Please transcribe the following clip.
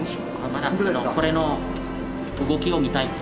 まだこれの動きを見たいって。